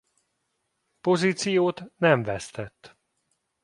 Pozíciót nem vesztett.